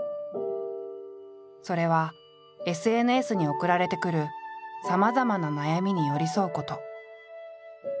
それはＳＮＳに送られてくるさまざまな悩みに寄り添うこと。